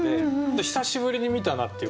久しぶりに見たなっていう。